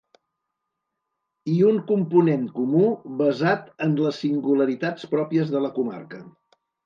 I un component comú basat en les singularitats pròpies de la comarca.